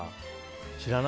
知らない？